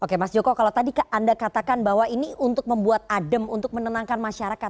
oke mas joko kalau tadi anda katakan bahwa ini untuk membuat adem untuk menenangkan masyarakat